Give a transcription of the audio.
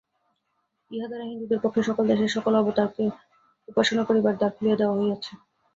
ইহা দ্বারা হিন্দুগণের পক্ষে সকল দেশের সকল অবতারকে উপাসনা করিবার দ্বার খুলিয়া দেওয়া হইয়াছে।